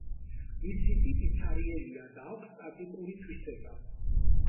მისი ტიპი ცარიელია და აქვს სტატიკური თვისება.